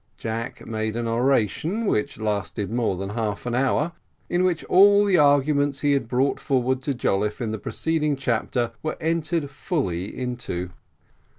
Jack made an oration, which lasted more than half an hour, in which all the arguments he had brought forward to Jolliffe in the preceding chapter were entered fully into.